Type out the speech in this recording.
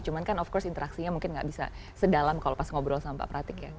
cuman kan of course interaksinya mungkin nggak bisa sedalam kalau pas ngobrol sama pak pratik ya